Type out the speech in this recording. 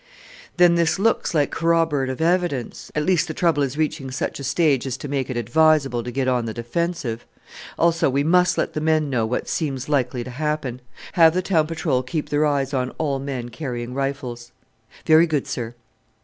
"Then this looks like corroborative evidence: at least the trouble is reaching such a stage as to make it advisable to get on the defensive; also, we must let the men know what seems likely to happen. Have the town patrol keep their eyes on all men carrying rifles." "Very good, sir."